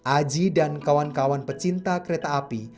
aji dan kawan kawan pecinta kereta api